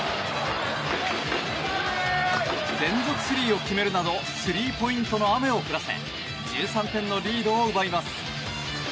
連続スリーを決めるなどスリーポイントの雨を降らせ１３点のリードを奪います。